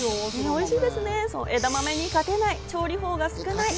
枝豆に勝てない、調理法が少ない。